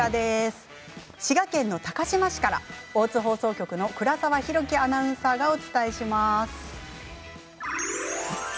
滋賀県高島市から大津放送局の倉沢宏希アナウンサーがお伝えします。